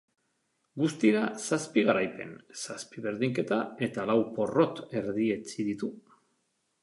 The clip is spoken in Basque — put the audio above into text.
Guztira, zazpi garaipen, zazpi berdinketa eta lau porrot erdietsi ditu.